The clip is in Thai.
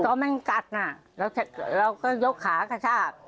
ตอนมันกัดน่ะเราก็ยกขากระชาบ